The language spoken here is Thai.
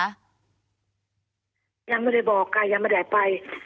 ยังไม่ได้บอกค่ะยังไม่ได้ไป